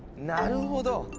なるほど！